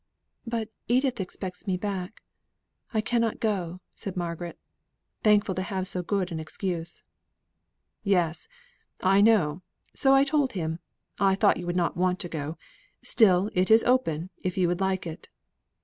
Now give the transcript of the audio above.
"But Edith expects me back I cannot go," said Margaret, thankful to have so good an excuse. "Yes! I know; so I told him. I thought you would not want to go. Still it is open, if you would like it."